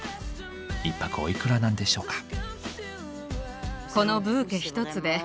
１泊おいくらなんでしょうか。